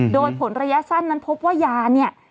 โดยผลระยะสั้นนั้นพบว่ายาเนี่ย